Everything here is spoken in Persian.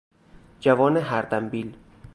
جوان هردمبیل